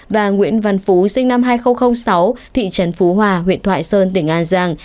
và nguyễn văn phú sinh năm hai nghìn sáu thị trấn phú hòa huyện thoại sơn tỉnh an giang